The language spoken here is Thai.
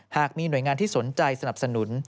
หากมีหน่วยงานที่สนใจสนับสนุน